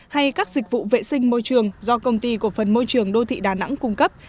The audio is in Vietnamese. hay các dịch vụ vệ sinh môi trường do công ty cổ phần môi trường đô thị đà nẵng cung cấp